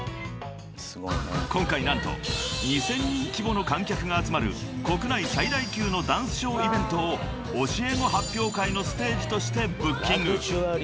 ［今回何と２，０００人規模の観客が集まる国内最大級のダンスショーイベントを教え子発表会のステージとしてブッキング］